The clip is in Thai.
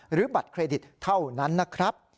บัตรเครดิตเท่านั้นนะครับ